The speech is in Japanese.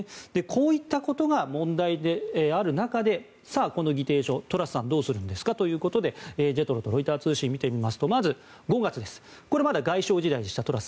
こういったことが問題である中でこの議定書、トラスさんどうするんですかということでＪＥＴＲＯとロイター通信を見てみますとまず５月、これはトラスさんまだ外相時代でした。